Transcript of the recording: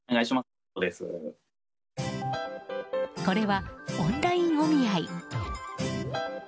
これはオンラインお見合い。